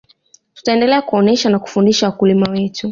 tutaendelea kuonesha na kufundisha wakulima wetu